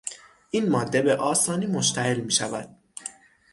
این ماده به آسانی مشتعل میشود